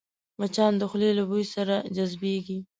مچان د خولې له بوی سره جذبېږي